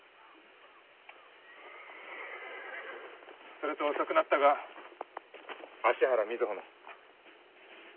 それと遅くなったが芦原瑞穂の。